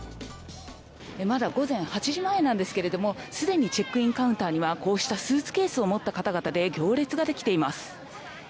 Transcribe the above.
まだ午前８時前なんですけれども、すでにチェックインカウンターには、こうしたスーツケースを持った方々で行列が出来ています。